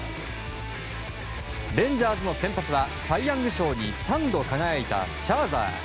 レンジャーズの先発はサイ・ヤング賞に３度輝いたシャーザー。